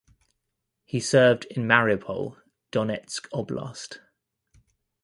He served in Mariupol (Donetsk Oblast).